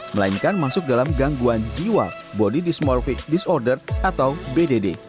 melainkan masuk dalam gangguan jiwa body desmorvive disorder atau bdd